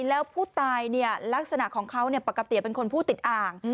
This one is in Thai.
แล้วผู้ตายลักษณะของเขาปกติเป็นคนผู้ติดอ่าง